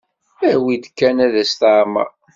Awi-d kan ad as-teɛmer.